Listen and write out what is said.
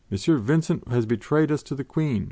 Vincent has betrayed us to the Queen!"